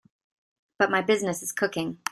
But my business is cooking.